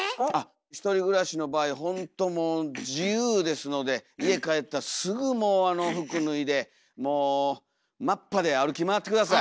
１人暮らしの場合ほんともう自由ですので家帰ったらすぐもう服脱いでもうまっぱで歩き回って下さい。